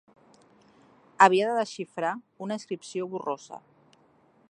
Havia de desxifrar una inscripció borrosa